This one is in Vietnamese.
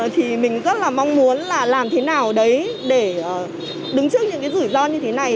thì mình rất là mong muốn là làm thế nào đấy để đứng trước những cái rủi ro như thế này